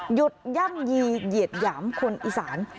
หยุดย่ำยีเหยียดหยามคนอีสาน